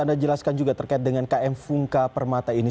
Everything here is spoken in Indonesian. saya mau menjelaskan juga terkait dengan km fungka permata ini